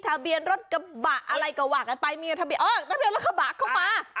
ทะเบียนรถกระบะอะไรก็ว่ากันไปเมียทะเบียนรถกระบะเข้ามา